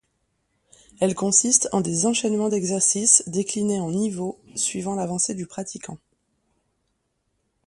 Elle consiste en des enchaînements d'exercices déclinés en niveaux, suivant l'avancée du pratiquant.